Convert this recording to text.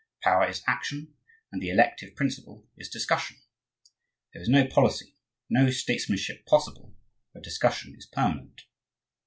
Power is action, and the elective principle is discussion. There is no policy, no statesmanship possible where discussion is permanent.